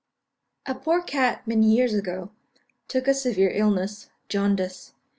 A poor cat, many years ago, took a severe illness jaundice.